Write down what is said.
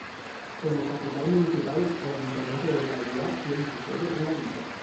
Como capital municipal, el ayuntamiento de Calviá tiene su sede en la villa.